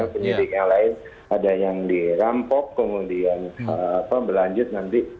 penyidik yang lain ada yang dirampok kemudian berlanjut nanti